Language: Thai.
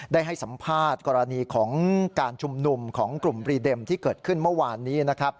ได้ให้สัมภาษณ์กรณีของการชุมนุมของกลุ่มรีเด็มที่เกิดขึ้นเมื่อวานนี้นะครับ